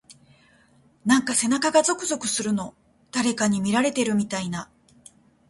なんか背中がゾクゾクするの。誰かに見られてるみたいな…。